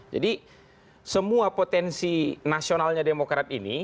jadi semua potensi nasionalnya demokrat ini